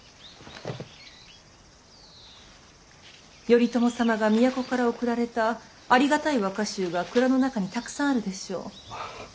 頼朝様が都から贈られたありがたい和歌集が蔵の中にたくさんあるでしょう。